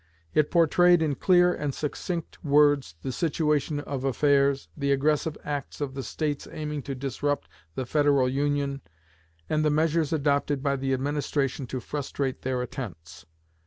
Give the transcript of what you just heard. It portrayed in clear and succinct words the situation of affairs, the aggressive acts of the States aiming to disrupt the Federal Union, and the measures adopted by the administration to frustrate their attempts.